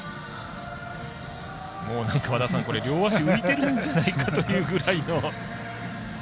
もう両足浮いてるんじゃないかというぐらいの。